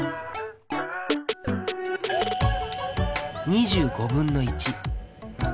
２５分の１。